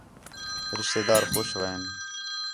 رشتے دار خوش وین